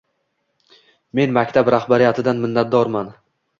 Men maktab rahbariyatidan minnatdorman.